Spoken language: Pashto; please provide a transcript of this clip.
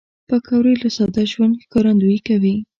پکورې له ساده ژوند ښکارندويي کوي